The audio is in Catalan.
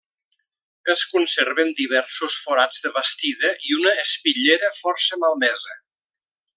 Es conserven diversos forats de bastida i una espitllera força malmesa.